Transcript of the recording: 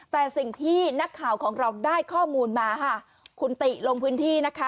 แต่สิ่งที่นักข่าวของเราได้ข้อมูลมาค่ะคุณติลงพื้นที่นะคะ